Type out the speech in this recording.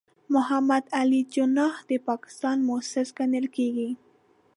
محمد علي جناح د پاکستان مؤسس ګڼل کېږي.